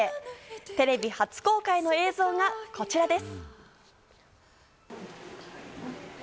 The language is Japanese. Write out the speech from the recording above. テレビ初公開の映像がこちらです。